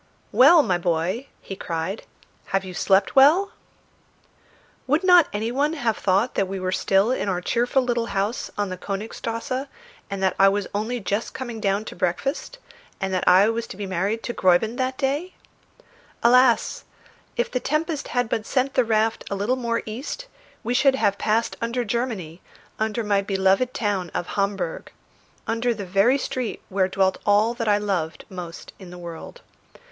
"Well, my boy," he cried, "have you slept well?" Would not any one have thought that we were still in our cheerful little house on the Königstrasse and that I was only just coming down to breakfast, and that I was to be married to Gräuben that day? Alas! if the tempest had but sent the raft a little more east, we should have passed under Germany, under my beloved town of Hamburg, under the very street where dwelt all that I loved most in the world.